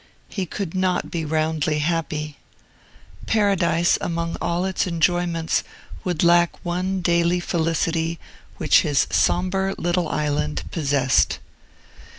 He could not be roundly happy. Paradise, among all its enjoyments, would lack one daily felicity which his sombre little island possessed.